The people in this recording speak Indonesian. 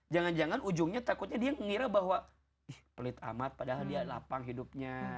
jangan jangan ujungnya takutnya dia mengira bahwa pelit amat padahal dia lapang hidupnya